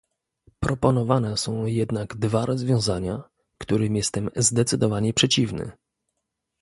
Proponowane są jednak dwa rozwiązania, którym jestem zdecydowanie przeciwny